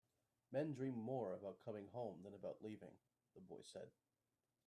"Men dream more about coming home than about leaving," the boy said.